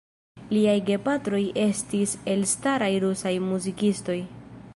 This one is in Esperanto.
Liaj gepatroj estis elstaraj rusaj muzikistoj.